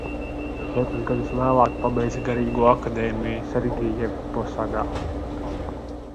Četrus gadus vēlāk pabeidza garīgo akadēmiju Sergijevposadā.